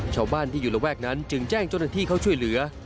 ชาวบ้านที่อยู่ระแวกนั้นจึงแจ้งเจ้าหน้าที่เข้าช่วยเหลือ